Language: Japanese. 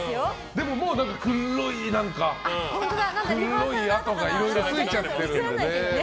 でも、もう黒い何かがいろいろついちゃってるのでね。